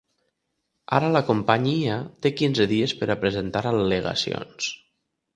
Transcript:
Ara la companyia té quinze dies per a presentar al·legacions.